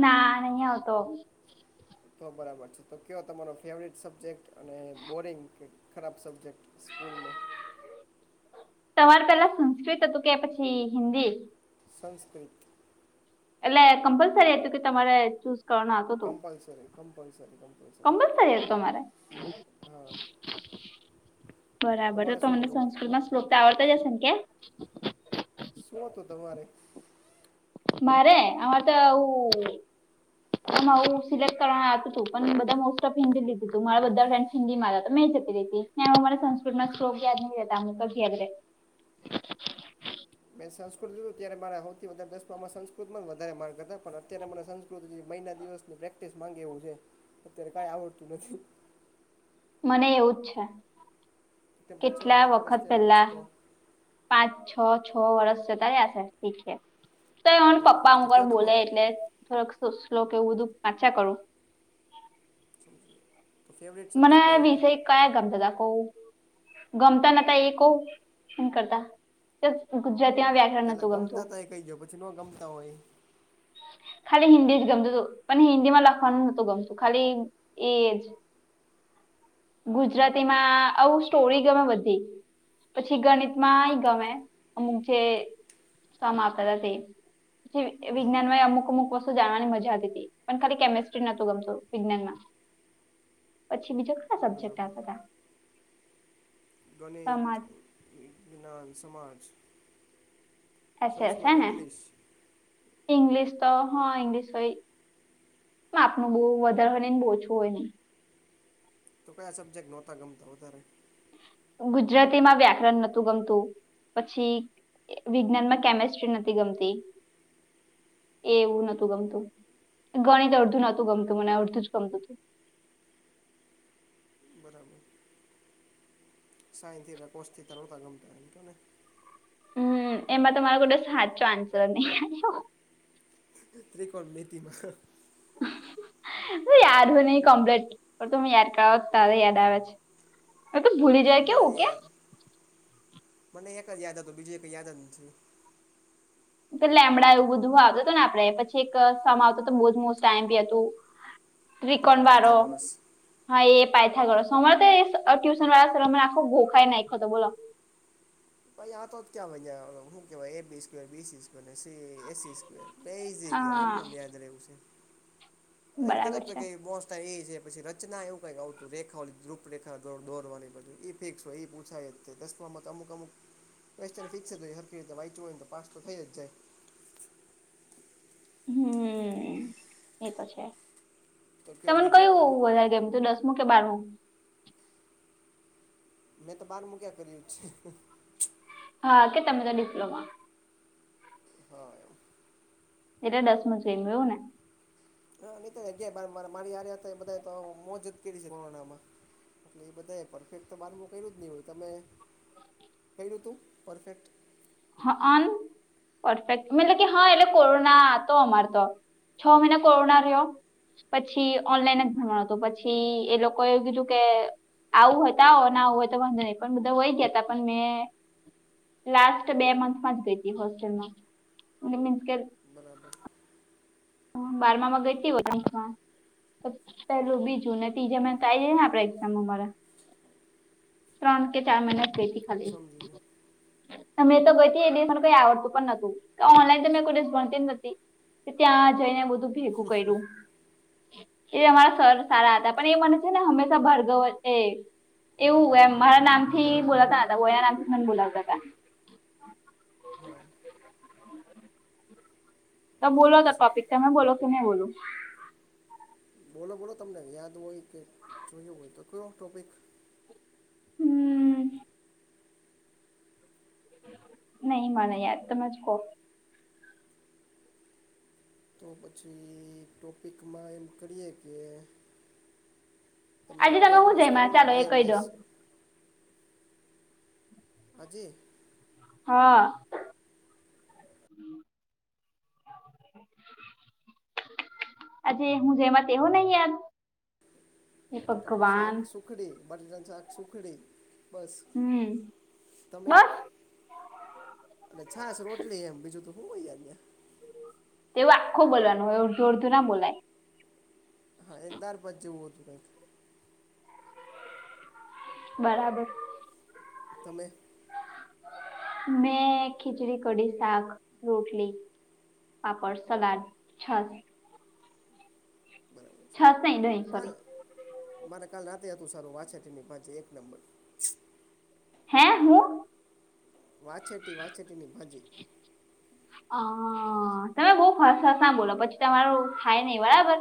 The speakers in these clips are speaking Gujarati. ના નહી આવતો. તો બરાબર છે તો કયો તમારો ફેવરિટ સબ્જેક્ટ અને બોરિંગ કે ખરાબ સબ્જેક્ટ. સ્કૂલનો. તમારે પેલા સંસ્કૃત હતું કે પછી હિન્દી. સંસ્કૃત. એટલે કમ્પલસરી હતું કે તમારે ચૂસા કંપલસરી કંપલસરી ક કમ્પલસરી હતો તમારે. હા બરાબર તો તમારે શું તમને હતું સંસ્કૃતમાં શલોક તો આવડતા જ હશે ને કે. શું હતું તમારે. મારે આમાંરે તો આઉ હું મારું સિલેક્ટ કરવાનાતું હતું પણ બધા મોસ્ટ ઓફ હિન્દી લીધું તું મારા બધા ફ્રેડ્ હિન્દીમાં હતા તો મેં જતી રતી ને અમારે સંસ્કૃતમાં યાદ નહીં રહેતા અમુ તો યાદ રહે. મેં સંસ્કૃતું ત્યારે મારા સૌથી વધારે દસમાંમાં સંસ્કૃતમાં જ વધારે માર્ક્સ હતા પણ અત્યારે મને સંસ્કૃત મહિના દિવસ ને પ્રેક્ટિસ માંગે એવું છે અત્યારે કઈ આવડતું નથી. મને એવુંજ છે કેમ કે છ કેટલા સાત વર્ષ વખત ત્યારે પછી પેલા તો પાંચ છ છ વર્ષ [unintelligible] શીખે તો એ પપ્પા તો હુંર કયો બોલે તમારો એટલે થોડક શ્લો શ્લોક કે આવું બધું વાંચ્યા કરું. [inaudible] મને સબ્જેક્ટ કયો હતો વિષય કયા ગમતા હતા કો ગમતા નતા એ કોહ એ કરતા. ગુજ ગુજરાતીં વ્યાઘરણ નાથુ ગમતું. કઈ ગયો પછી ના ગમતા હોય. ખાલી હિન્દી જ ગમતું હતું પણ હિન્દી માં લખવાનું નતું ગમતું ખાલી એ ગુજરાતી માં આવું સ્ટોરી ગમે બધી. પછી ગણિત માં નઈ ગમે અમુક જે સમ આપતા હતા તે. જે હા વિજ્ઞાનમાં એ અમુક અમુક વસ્તુ જાણવાની મજા આવતી હતી. પણ ખાલી કેમેિસ્ટ્રી નતું ગમતું વિજ્ઞાનમાં પછી બીજું કયા સબજેક્ટ બરાબર આવ હતા. ગણિત સમાજ વિજ્ઞાન સમાજ [unintelligible] છે સંસ્કૃત ને ઇંગ્લિશ ઇંગલીશ તો ઇંગ્લિશ હોય. પણ આપનું બો વધારે હોય નહીં બો ઓછુ હોય નહી. તો કંયા સબ્જેક્ટ નહોતા ગમતા હો વધારે. ગુજરાતી માં વ્યાકરણ નહોતું ગમતું પછી. વિજ્ઞાન માં કેમેસ્ટ્રી નથી ગમતી. એ એવું નોતું ગમતું ગણિત અડધું નોતું ગમતું મને અડધું જ ગમતું હતું. બરાબર. [unintelligible] ગમતા હં તને. હમ એમાં ત મારો બધો હાચો આન્સર નહીં આયો. ત્રિકોણ મિતિતમાં [inaudible] યાદ હોન કમપ્લીટ તમે યાદ કરત તારે યાદ આવે છે. હવે તો ભૂલી જાય કેવું કે [unintelligible] મને એક જ યાદ હતુ બીજું કઈ યાદ જ નથી. પેલા લેમડા એવું બધું આવ હતને આપડે પછી એક સમ આવતો બ મોસ્ટ આઇ એમ પી હતું. ત્રિકોણ બારો. પાયથાગોરસ હા એ પાયથ ગો સમયરે તો એ ટ્યુશન વાળ સર મને આખો ગોખાય નાઈખયોત બોલો. ભાઈ આતા તો ક્યા વ્યા હું કે ભાઈ A B square, BC square, AC AC square બેજ હા એમનેમ યાદ રવું છે અ કેધ બરાબર તો છે કે બો એ છે પછી રચના એવું કઈક આવતું રેખા ઓને રૂપરેખા દોરવાનું ઈ બધુ. ફિક્સ હોય એ પૂછાય જ છે દસમાં અમુક અમુક- કેશચેન ફિક્સ જ હોય હરખીતે વાંઇચુ હોયતો પાસ તો થઈ જાય. હમ એતો છે તો કયો તને બીજું ત્યારે કયું વધારે કેમ તું દસ મુ કે બારું મેં તો બહારમૂ ક્યા કર્યું છે. હા કે તમને ડિપ્લોમાં હા એવું. એટલે દસ મજઈ એવું ને, હા નીતા અગયાર બારમાં માં મારી હાર હતા બધા તો મોજ જ કઈરીછે કોરોના મા એટલે એ બધા પરફેક્ટ તો બારમું કર્યું જ નહી હોય તમે કર્યું તું પરફેક્ટ. હ અન પરફેક્ટ મતલે કે હા એટલે કોરોના હતો અમાર તો છ મહિના કોરોના રહ્યો. પછી ઓનલાઈન જ ભરવાણ હતું પછી એ લોકો એવું કીધું કે, આવું હતા આવું ના આવું હોય તો વાંધો નહી પણ બધા વય ગયા હતા પણ મેં લા સ્ટ બે મંથમાં જ ગઈ હતી હોસ્ટેલમાં મીન્સ કે બરાબર. હ બારમા માં ગઈતી હોસ્ટલ માં પેલું બીજું ને ત્રીજા મ કઈ જે ને આપે એક્ઝામ અમારે. ત્રણ કે ચાર મિનટ થઈતી ખાલી સમજી ગયો તમે તો ગઈ હતી એ ડેસ મને કઈ આવડતું પણ નહતું ઓનલાઈન ત કોઈ ડસ ભણતી જ નથીતી. ત્યાં જઈને બધું ભેગું કર્યું. એ અમારા સર સારા હતા પણ એ મને છે ને હંમેશા ભાર્ગવ વચે એવુંમ મારા નામથી બોલાવતા ન હતા ગો નામથી બોલાવતા હતા. હા તો બોલો બરાબર હતા છે ટોપિક તમે બોલો તમે બોલું બોલો બોલો તમને યાદ હોય કે જોયું હોય તો કયો ટૉપિક હમ. નહી મને યાર તમેજ કો તો પછી ટોપિકમાં એમ કરીએ કે તમને આજે તમે વાયરડ હું વસ્તુ ક જમ્યા ચાલો એ કહી દો વાયરલેસ હજી. હા. આજે હું જેમાં તેવો નહી યાર હે બટટાનું ભગવાન શાક સુખડી, બટાટાનું શાક સુખડી બસ હમ‌. તમે અને છાછ રોટલી એમ બીજું તો શું હોય ત્યા તેવું આખો બોવાનું હોય અરધું અડધું ના બોલાય. હા એકદાર પંજવું તરે બરાબર તમે મેં ખીચડી કડી સાક રોટલી પાપડ સલાદ છ બરાબર છ છે સા નહી કાલ સોરી મારે કાલ રાતે હતું સારું વાછ તેની પાજે એક નંબર હે હું વાછેટી વાચેટીની ભાજી હ તમે બહ ફસસ ના બોલો પછી તમારું થાય નહિ બરાબર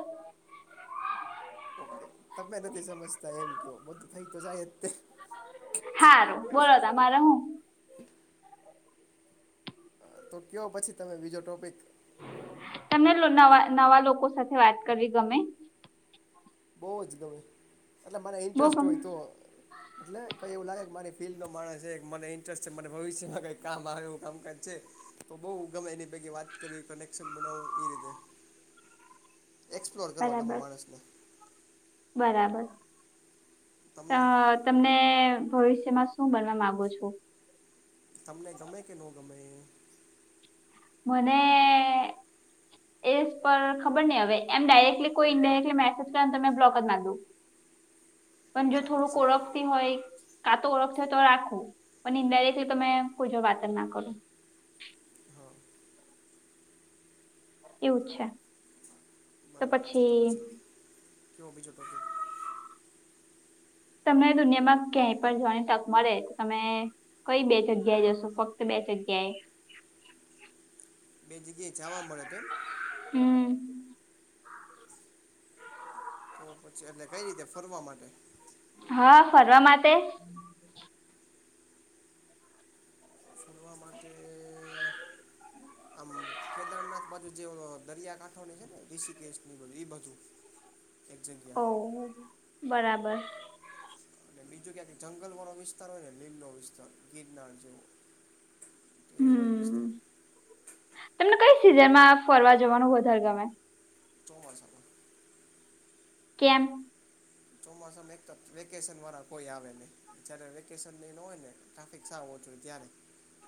ઓકે તમે નથી સમજતા એમ કયો બધું થઈ તો જાય જ હારું બોલો ત મારા હું તો કહો પછી તમે બીજો ટોપિક તમને નવા નવા લોકો સાથે વાત કરી ગમે બહુ જ ગમે એટલે મને બહુ ઇન્ટરેસ્ટ ગમે હોય તો એટલે કંઈ એવું લાગે કે મારી ફિલ્ડનો માણસ છે કે મને ઇન્ટરેસ્ટ છે મને ભવિ્યમાં કંઈ કામ આવે એવું કામકાજ છે તો બઉ ગમે એની પૈકી વાત કરવી કનેક્શન બનાવવું એ રીતે એક્સપ્લોર કરવા ગરે બરાબર માણસને બરાબર ત તમને તમને ભવિષ્યમાં શું બનવા માંગો છો તમને ગમે કે ન ગમે મને એ પર ખબર નહી હવે એમ ડાયરેક્ટલી કોઈ ઇન્ડાયરેક્ટલી મેસેજ કરે ને તમે બ્લોક જ મામાં દો પણ જે બરાબર થોડું છે કોળક હોય કાતો ઓળખ હોય તો રાખવું પણ ઇન્ાયક્ટલી તમે કોઈ જો વાતન ના કરો હા એવું જ છે બરાબર છે તો પછી નહીં કેવો બીજો ટોકે તમને દુનિયામાં ક્યાંય પણ જોવાની તક મળે તો તમે કઈ બે જગ્યાએ જશો ફક્ત બે જગ્યાએ બે જગ્યાએ જાવા મળે તો એમ હમ તો પછી એટલે કઈ રીતે ફરવા માટે હા ફરવા માટે ફરવા માટે આમ કેદારનાથ બાજુ જે દરિયાકાંઠાની છે ને ઋષિકેશ નીધ એ બાજુ [unintelligible] એક્ ઓ જગયા બરાબર અને બીજું ક્યા જંગલ વાળો વિસ્તાર હોય ને લીલ નો વિસ્તાર ગિરનાર જેવો એવ હમ વાજબસ્તા તમને કઈ સિઝનમાં ફરવા જવાનું વધારે ગમે ચોમાસા માં કેમપ ચોમાસામાં એક વેકેશન વાળા કોઈ આવે નહી જ્યારે વેકેશન લ હોય ને ટ્રાફિક સારું ઓછુંય ત્યારે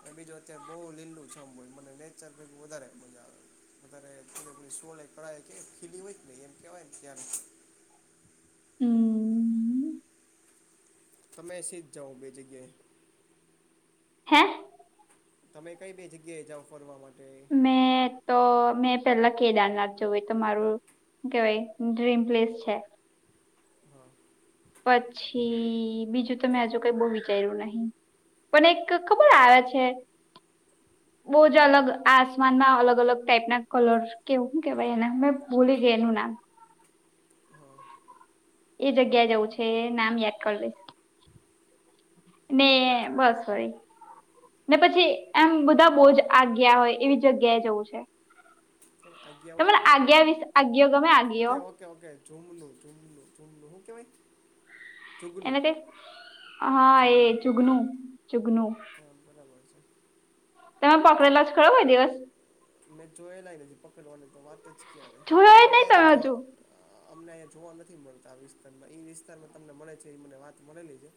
અને બીજું અત્યારે બહુ લીલું ચમ મને નેચર ભેગું વધારે મજા આવે વધારે પપડી સોલે કાય કે ફીલીંગ હોય ને એમ કેહેવાય ને ત્યારે હમ્મ તમે સિદ જાઓ બે જગ્યાએ હેં તમે કઈ બે જગ્યાએ જાઓ ફરવા માટે મેં તો મેં પેલા કેદારનાથ જવું તો મારું શું કેવાય ડ્રીમ પ્લેસ છે હા પછી બીજું તમે આજુ કઈ બહુ વિચાર્યું નહીિ પણ એક ખબર આવે છે બહુંજ અલગ આસમાનમાં અલગ અલગ ટાઈપ ના કલર કેવું હું કેવાય એને મેં ભૂલી ગય એનું નામ હમ્મ એ જગ્યા જવું છે નામ યાદ કરી લઈશ [unintelligible] બરાબર છે બસ હોરી ને પછી એમ બધા બહુજ આ ગયા હોય એવી જગ્યાએ જવું છે [unintelligible] તમેને આજ્ઞા વિશે આજ્ઞો ગમે આજ્ઞો ઓકે ઓકે ઓકે જુમલું જુમલું જુમલું હું કેવાય જોુગલું એને કઈ હા એ જોુગલું જુગનું જુગનું હા બરાબર છે તમે પકડેલો જ ખરો હોય દિવસ મેં જોયેલાય નથીજી પકડવાની તો વાત જ ક્યારે જોયો જ અમારે નહી એને તમે જોવા હજુ અમને અહીયા જોવા નથી મળતા આ વિસ્તારમાં એ વિસ્તારમાં તમને મળે છે એ મને વાત મળેલી છે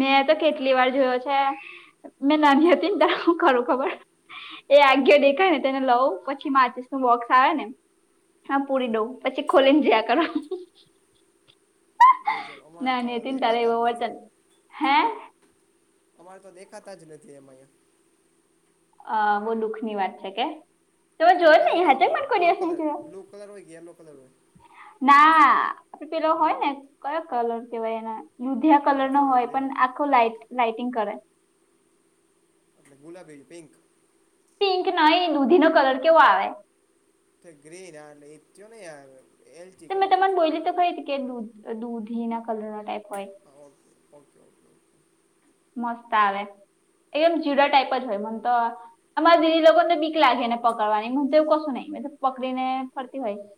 મેં તો કેટલી વાર જોયો છે મેં નાની હતી ને ત હું ખરું ખબર એ આગયો દેખાય ને તેને લઉ પછી માચીસ નું બોક્સ આવે ને હા પૂરી દઉં પછી ખોલી ને જયા કરો ગજબ [unintelligible] અમારે તો ના તિન તારે દેખાતા જ નથી હે [unintelligible] અમારે તો દેખાતા જ નથી એમ અહંયા અ બહુ દુઃખ ની વાત છે કે તમે કેવો જોયો કલર નહી કેવા કલર પણ કોય બ્લુ દિવસ ન કલર જો [unintelligible] ના આપડે પેલો હોય ને કયો કલર કેવાય એના યુધિયા કલર નો ઓકે હોય લઈ પણ લો આખો લાઈટ લાાઈટિંગ કરે એટલે ગુલાબી પિંક પિંક નહી દૂધી નો કલર કેવો આવે ગ્રીન આડ ્યો ન આ આવે મેં તમારે બોલી તો ખરી હતી કેધ દૂધી ના કલર ન ટાઈપ હોય. હા ઓકે ઓકે ઓકે. મસ્ત આવે એકદમ જીરા ટાઈપ જ હોય મને તો અમારા દીદી લોકો ને બીક લાગે ને પકડવાની હું તો એવું કશું નહીં પકડી ને ફરતી હોય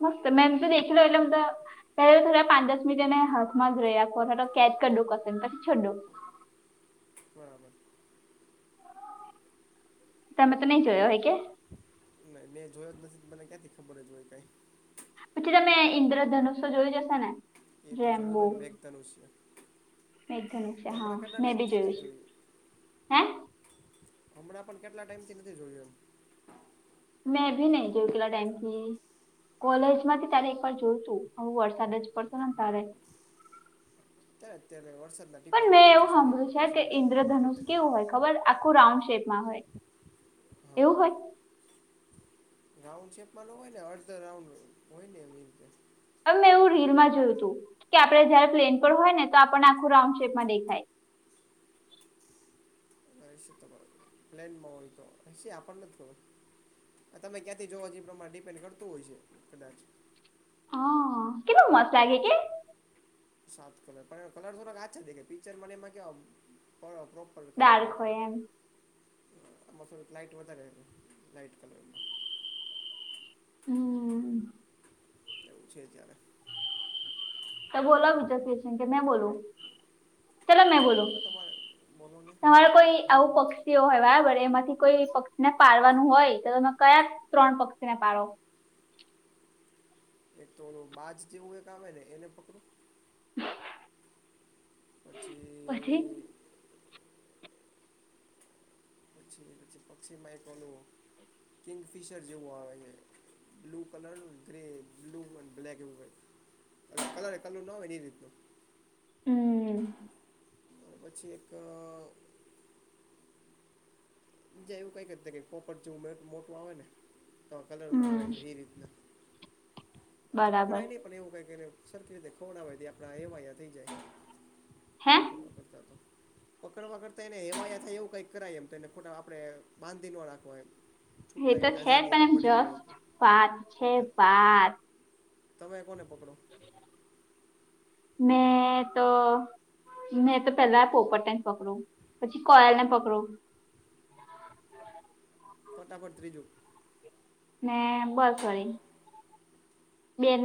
મસ્ત મેમ [unintelligible] પેલા થોડા પાંચ દસ મિનિટ એને હાથમાં ધ રઈ રાખો કેદ કરીો ક ને પછીોડો બરાબર તમે તો નહી જોયો હોય કે ના મેં જોયો જ નથી મને ક્યાંથી ખબર જ હોય કઈ પછી તમે ઈન્દ્રધનુષ જોઈ જશેો ને એ તો જોયું રેમ્બો દેને મેઘધનુસય મેઘધનુષ હા અમડા કેના મેં બી ટાઈમથી જોયું છે જોયુ હે હમણાં પણ કેટલા ટાઈમ થી નથી જોયું એમ મેં ભી નહીં જકેલા ટાઈમથી. કોલેજ માંથી તારે એકવાર જોઈશું હું વરસાદ જ પડતો ને તારે. એમ ત્યારે અત્યારે વરસાદના પણ મેં ટીપામાંથી જે એવું હાભળ્યું છે સૂર્યપ્રકાશ કે આવે ઈન્દ્રધનુષ દેખાય એમ. કેવું હોય ખબર? આખું રાઉન્ડ શેપમાં હોય, હા એવું હોય? હવે રાઉન્ડ શેપ ન હોય ને અડધા રાઉન્ડ હોય ને એ રીતે. હવે મેં એવું રીલમાં જોયું હતું કે આપડે જયારે પ્લેન પર હોય ને તો આપણ આખું રાઉન્ડ શેપમાં દેખાય. હશે તો પ્લેન માઉલ તો હશે આપણને કે. તમે ક્યાંથી જવા જે એ પ્રમાણે ડિપેન્ડ કરતું હોય છે કદાચ. હ કેટલુ મસ્ત લાગે કે? સાત કલર પણ એ કલર થોડાક આછા દેખાએ પિક્ચર માં ને એમાં કેવા પણ પ્રો પર કલર ડાર્ક હોય એમ દેખાય આમાં થોડી લાઇટ વધરે રહે લાઇટ કલરમાં. હમ્મ્મ. એવું છે ત્યારે. તો બોલો વિજા શીર્ષણ કે મેં બોલું? ચલો મેં કયો બોલું. કયો તમારે બોલો ને તમારુ કોઈ આવું પક્ષીઓ હોય બરાબર એમાંથી કોઈ પક્ષીને પારવાનું હોય તો તમે કયા ત્રોણ પક્ષી ને પાળો? એક તો ઓલું બાજ જેવું કઈક આવે ને એને પકડું. પછી પછી પછી પક્ષીમાં એક ઓલું કિંગફિશર જેવું આવે છે. Blue colour grey blue and black એવુ કઇક. કલર કલર ના હોય એની રીતનું. હમ્મ. પછી એક જાય એવું કંઈક કોપર જેવું મોટું આવે ને તો આ કલરમાં આવે હમ એ રીતના. એમ તો બરાબર પકડાય નઈ પણ એવું કઈને સરખી રીતે ખવડાવાય તો એવાયા થઈ જાય. હે? કરતા તો. પકડવા કરતા એને હેમાયા થાય એવું કઈક કરાય એમ તો એને ખોટા આપણે બાંધી ન રાખવા એમ. છૂટા ઈ રે આઝાદી એને મળી રહી હતી. પાંચ છે તો પાંચ. તમે કોને પકડો? મેં તો મેં તો પેલા પોપટ ને જ પકડું, પછી કોયલ ને પકડું. ફટાફટ ત્રીજુ. ને બસ વારી. બે ને